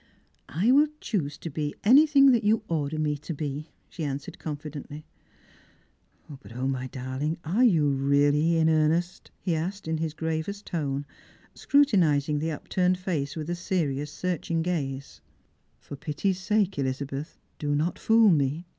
" I will choose to be anything that you order me to be," she answered confidently. " But, 0, my darling, are you really in earnest P" he asked in his gravest tone, scrutinising the upturned face with a serious searching gaze. " For pity's sake, Elizabeth, do not fool me